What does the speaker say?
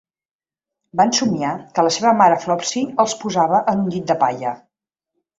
Van somniar que la seva mare Flopsy els posava en un llit de palla.